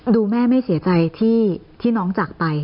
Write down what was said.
ดูแม่ไม่เสียใจที่น้องจากไป